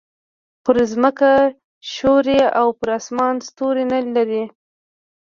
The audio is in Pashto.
پر ځمکه ښوری او پر اسمان ستوری نه لري.